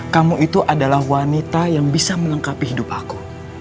kamu itu adalah wanita yang bisa melengkapi hidup aku